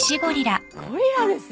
ゴリラですよ。